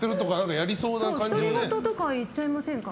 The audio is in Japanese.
独り言とか言っちゃいませんか？